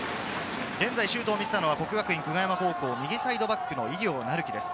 現在シュートをしたのは國學院久我山高校、右サイドバックの井料成輝です。